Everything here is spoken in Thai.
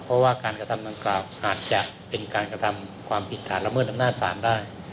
เพราะว่าการกระทำดังกล่าวอาจจะเป็นการกระทำความผิดฐานละเมิดอำนาจศาลได้